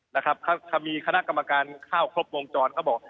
ถ้ามีคณะกรรมการข้าวครบวงจรก็บอก